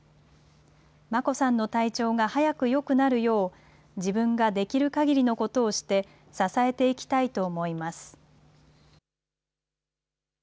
眞子さんの体調が早くよくなるよう、自分ができるかぎりのことをして、支えていきたいと思います。